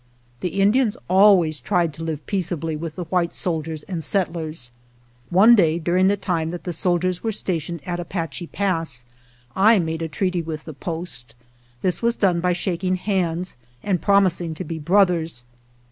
The Indians always tried to live peace ably with the white soldiers and settlers. One day during the time that the soldiers were stationed at Apache Pass I made a treaty with the post. This was done by shak ing hands and promising to be brothers.